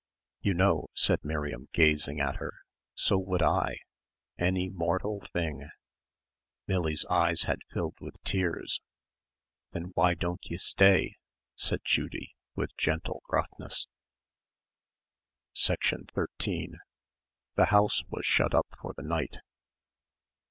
"You know," said Miriam gazing at her, "so would I any mortal thing." Millie's eyes had filled with tears. "Then why don't ye stay?" said Judy, with gentle gruffness. 13 The house was shut up for the night.